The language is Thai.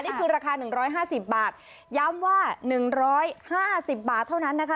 นี่คือราคา๑๕๐บาทย้ำว่า๑๕๐บาทเท่านั้นนะคะ